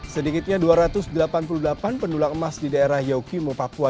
sedikitnya dua ratus delapan puluh delapan pendulang emas di daerah yaukimo papua